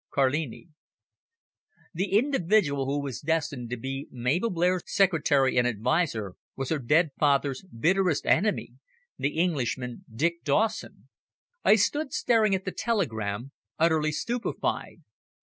Carlini." The individual who was destined to be Mabel Blair's secretary and adviser was her dead father's bitterest enemy the Englishman, Dick Dawson. I stood staring at the telegram, utterly stupefied.